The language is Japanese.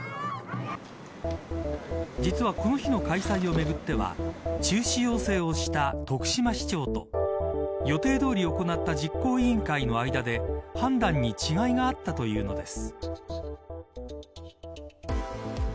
実はこの日の開催をめぐっては中止要請をした徳島市長と予定どおり行った実行委員会の間で判断に違いがあったというのです。